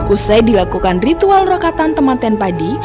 usai dilakukan ritual rokatan temanten padi